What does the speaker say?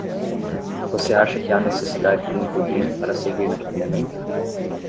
Você acha que há necessidade de um pudim para seguir naquele momento?